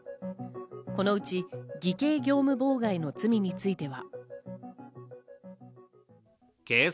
このうち偽計業務妨害の罪については。